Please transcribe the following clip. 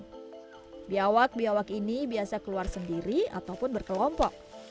bubiyawak bubiyawak ini biasa keluar sendiri ataupun berkelompok